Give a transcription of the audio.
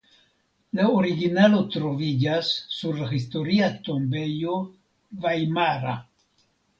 La originalo troviĝas sur la Historia tombejo vajmara.